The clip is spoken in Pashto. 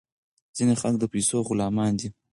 ځینې خلک د پیسو غلامان دي.